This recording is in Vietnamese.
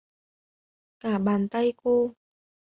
Cả bàn tay cô